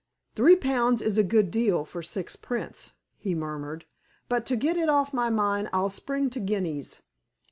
"Three pounds is a good deal for six prints," he murmured, "but, to get it off my mind, I'll spring to guineas."